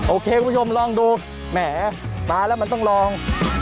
คุณผู้ชมลองดูแหมตายแล้วมันต้องลอง